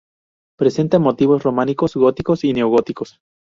Presenta motivos románicos, góticos y neogóticos.